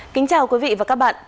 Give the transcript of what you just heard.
kính chào quý vị và các bạn